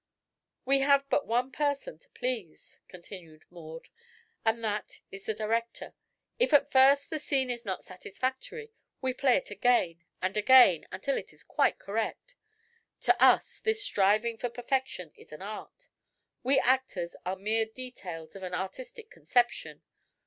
"We have but one person to please," continued Maud, "and that is the director. If at first the scene is not satisfactory, we play it again and again, until it is quite correct. To us this striving for perfection is an art. We actors are mere details of an artistic conception.